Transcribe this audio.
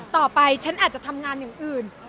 ต่อไปฉันอาจจะทำงานอย่างอื่น